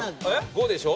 ５でしょ？